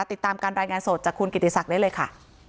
ติดตามการรายงานสดจากคุณกิติศักดิ์ได้เลยค่ะ